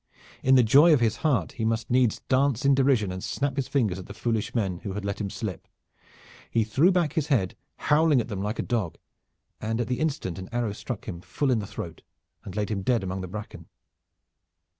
In the joy of his heart he must needs dance in derision and snap his fingers at the foolish men who had let him slip. He threw back his head, howling at them like a dog, and at the instant an arrow struck him full in the throat and laid him dead among the bracken.